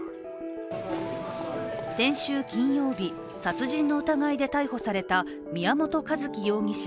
先週金曜日、殺人の疑いで逮捕された宮本一希容疑者